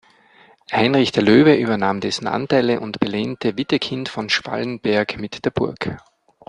Heinrich der Löwe übernahm dessen Anteile und belehnte Wittekind von Schwalenberg mit der Burg.